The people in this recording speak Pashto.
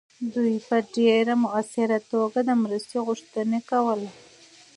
دوی په ډیر مؤثره توګه د مرستې غوښتنه کولی سي.